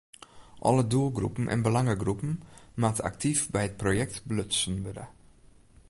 Alle doelgroepen en belangegroepen moatte aktyf by it projekt belutsen wurde.